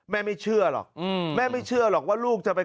ไม่เชื่อหรอกแม่ไม่เชื่อหรอกว่าลูกจะไป